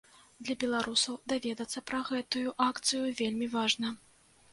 Для беларусаў даведацца пра гэтую акцыю вельмі важна.